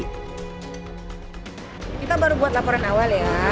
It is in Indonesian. kita baru buat laporan awal ya